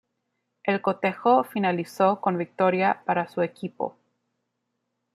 El cotejo finalizó con victoria para su equipo.